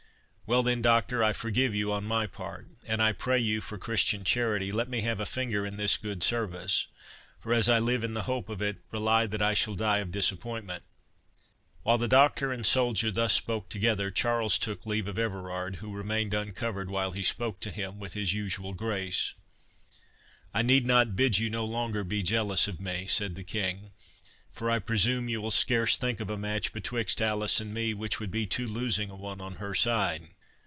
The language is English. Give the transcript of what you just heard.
"Well, then, Doctor, I forgive you on my part: and I pray you, for Christian charity, let me have a finger in this good service; for as I live in hope of it, rely that I shall die of disappointment." While the Doctor and soldier thus spoke together, Charles took leave of Everard, (who remained uncovered while he spoke to him,) with his usual grace—"I need not bid you no longer be jealous of me," said the King; "for I presume you will scarce think of a match betwixt Alice and me, which would be too losing a one on her side.